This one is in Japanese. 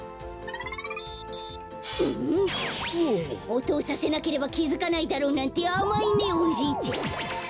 おとをさせなければきづかないだろうなんてあまいねおじいちゃん。